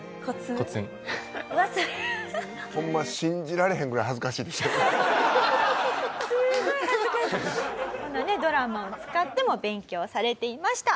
こんなねドラマを使っても勉強されていました。